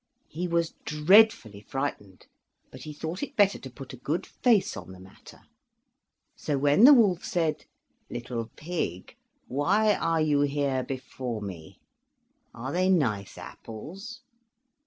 He was dreadfully frightened, but he thought it better to put a good face on the matter, so when the wolf said: "Little pig, why are you here before me? Are they nice apples?"